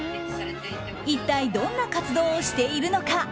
一体どんな活動をしているのか。